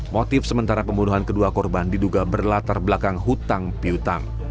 motif sementara pembunuhan kedua korban diduga berlatar belakang hutang piutang